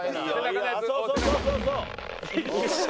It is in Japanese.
そうそうそうそうそう。